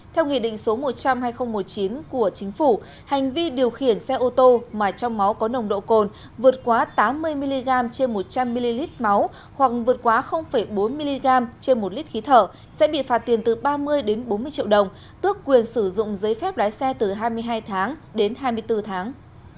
theo nghị định số một trăm linh hai nghìn một mươi chín của chính phủ hành vi điều khiển xe ô tô mà trong máu có nồng độ cồn vượt quá tám mươi mg trên một trăm linh ml máu hoặc vượt quá bốn mg trên một lít khí thở sẽ bị phạt tiền từ ba mươi bốn mươi triệu đồng tước quyền sử dụng giấy phép lái xe từ hai mươi hai tháng đến hai mươi bốn tháng